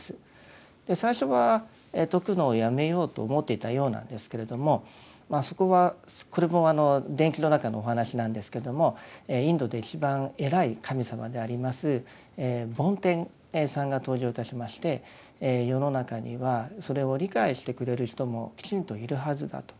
最初は説くのをやめようと思っていたようなんですけれどもそこはこれも伝記の中のお話なんですけどもインドで一番偉い神様であります梵天さんが登場いたしまして世の中にはそれを理解してくれる人もきちんといるはずだと。